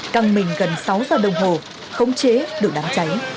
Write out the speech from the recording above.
căng mình gần sáu giờ đồng hồ khống chế được đám cháy